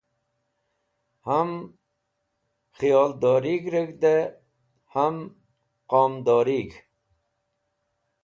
Ham khiyodori reg̃hdẽ ham qomdorig̃h